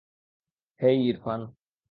হেই, Irfan.